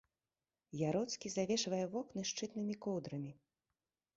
Яроцкі завешвае вокны шчытнымі коўдрамі.